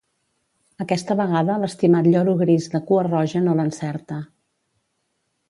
Aquesta vegada l'estimat lloro gris de cua roja no l'encerta.